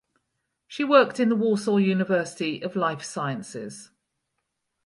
She worked in the Warsaw University of Life Sciences.